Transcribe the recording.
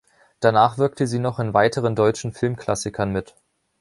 Danach wirkte sie noch in weiteren deutschen Filmklassikern mit.